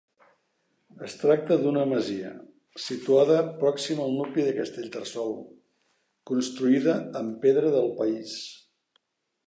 Es tracta d'una masia, situada pròxima al nucli de Castellterçol, construïda amb pedra del país.